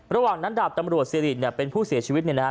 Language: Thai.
ระหว่างนั้นดับตำรวจเซียรินเป็นผู้เสียชีวิตในน้ำ